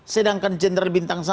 sedangkan jenderal bintang satu